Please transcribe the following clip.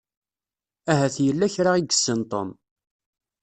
Ahat yella kra i yessen Tom.